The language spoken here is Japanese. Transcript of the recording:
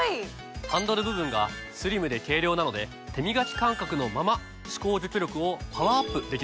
ハンドル部分がスリムで軽量なので手みがき感覚のまま歯垢除去力をパワーアップできるんです。